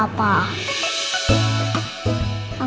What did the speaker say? apa yang aku mau bilang